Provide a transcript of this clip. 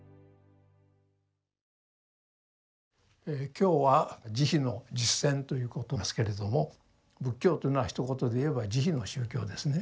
今日は「慈悲の実践」ということですけれども仏教というのはひと言で言えば慈悲の宗教ですね。